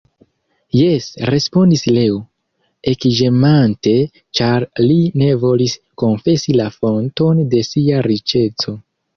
Jes, respondis Leo, ekĝemante, ĉar li ne volis konfesi la fonton de sia riĉeco.